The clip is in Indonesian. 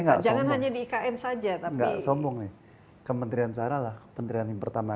nggak jangan hanya di kn saja tapi sombong kementerian saralah penterian yang pertama